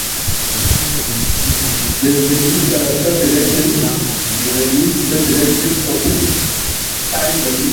Lakini imekuwa ni kitu chenye mvutano ambapo nchi wanachama wanashindana